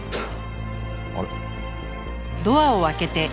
あれ？